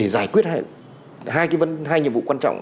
giải quyết hai nhiệm vụ quan trọng